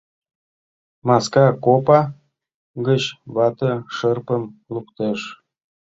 Маска копа гыч вате шырпым луктеш.